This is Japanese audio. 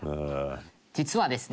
実はですね